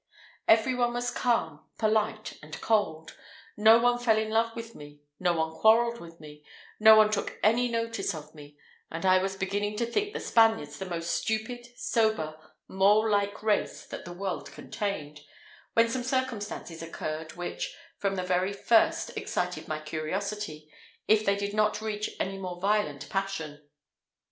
Every one was calm, polite, and cold; no one fell in love with me; no one quarrelled with me; no one took any notice of me, and I was beginning to think the Spaniards the most stupid, sober, mole like race that the world contained, when some circumstances occurred, which, from the very first excited my curiosity, if they did not reach any more violent passion.